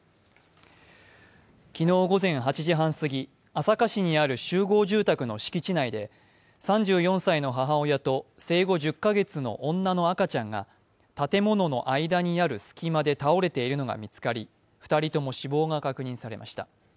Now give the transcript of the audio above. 昨日午前８時半過ぎ、朝霞市にある集合住宅の敷地内で３４歳の母親と生後１０カ月の女の赤ちゃんが建物の間にある隙間で倒れているのが見つかり、２人とも死亡が確認されました。